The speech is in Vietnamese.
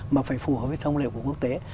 mà phải phù hợp với thông lệ của quốc tế